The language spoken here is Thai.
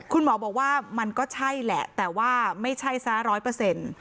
คุณหมอบอกว่ามันก็ใช่แหละแต่ว่าไม่ใช่ซะร้อยเปอร์เซ็นต์